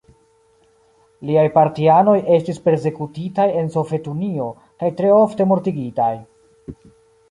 Liaj partianoj estis persekutitaj en Sovetunio, kaj tre ofte mortigitaj.